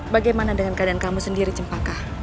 bagaimana dengan keadaan kamu sendiri cempaka